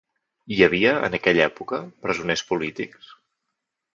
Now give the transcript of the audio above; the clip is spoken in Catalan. Hi havia en aquella època presoners polítics?